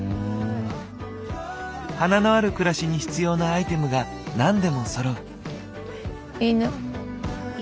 花のある暮らしに必要なアイテムが何でもそろう。